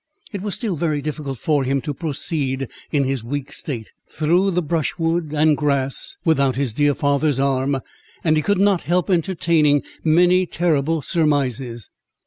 It was still very difficult for him to proceed, in his weak state, through the brushwood and grass, without his dear father's arm, and he could not help entertaining many terrible surmises.